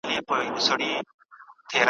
هم په سپیو کي د کلي وو غښتلی ,